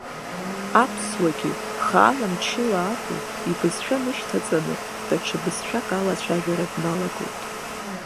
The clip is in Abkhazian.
Аԥсуагьы, хаала-мчыла акәу, ибызшәа нышьҭаҵаны, даҽа бызшәак ала ацәажәара дналагоит.